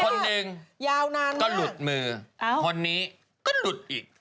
คนหนึ่งยาวนานก็หลุดมือคนนี้ก็หลุดอีก